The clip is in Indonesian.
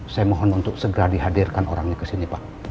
saya mohon untuk segera dihadirkan orangnya ke sini pak